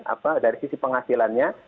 apa dari sisi penghasilannya